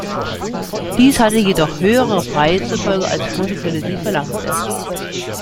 Dies hatte jedoch höhere Preis zufolge, als Foto Quelle sie verlangte.